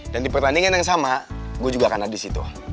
dan di pertandingan yang sama gue juga akan ada di situ